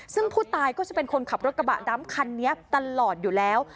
ซึ่งผู้ตายก็จะเป็นคนขับรถกระบะดำคันนี้ตลอดอยู่แล้ว